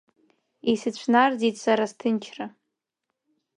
Исыцәнарӡит сара сҭынчра.